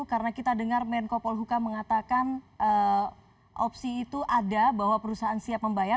karena kita dengar menko polhuka mengatakan opsi itu ada bahwa perusahaan siap membayar